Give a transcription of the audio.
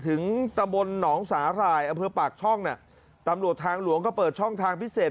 ตำบลหนองสาหร่ายอำเภอปากช่องน่ะตำรวจทางหลวงก็เปิดช่องทางพิเศษ